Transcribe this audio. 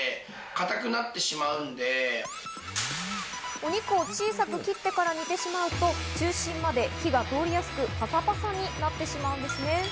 お肉を小さく切ってから煮てしまうと、中心まで火が通りやすくパサパサになってしまうんですね。